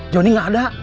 johnny gak ada